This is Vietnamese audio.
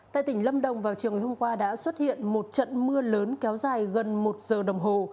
tại tỉnh lâm đồng vào chiều ngày hôm qua đã xuất hiện một trận mưa lớn kéo dài gần một giờ đồng hồ